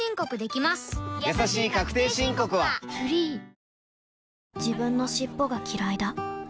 やさしい確定申告は ｆｒｅｅｅ自分の尻尾がきらいだ